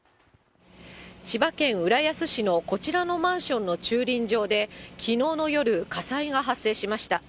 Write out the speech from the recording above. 千葉県浦安市のこちらのマンションの駐輪場で、きのうの夜、火災が発生しました。